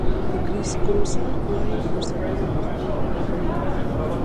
کرېس ګروسر وایي فرصتونه پخپله برابر کړئ.